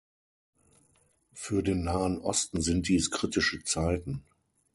Für den Nahen Osten sind dies kritische Zeiten.